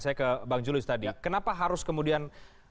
saya ke bang julius tadi kenapa harus kemudian